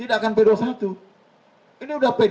ini sudah p dua puluh satu